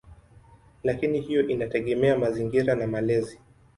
Lakini hiyo inategemea mazingira na malezi.